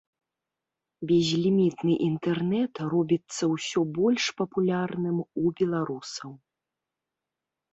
Безлімітны інтэрнэт робіцца ўсё больш папулярным у беларусаў.